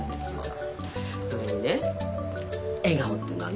それにね笑顔っていうのはね